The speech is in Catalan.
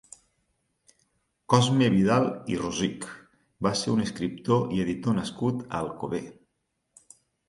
Cosme Vidal i Rosich va ser un escriptor i editor nascut a Alcover.